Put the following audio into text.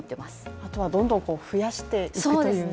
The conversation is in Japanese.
あとはどんどん増やしていくというね。